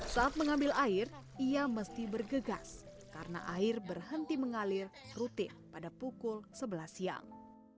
saat mengambil air ia mesti bergegas karena air berhenti mengalir rutin pada pukul sebelas siang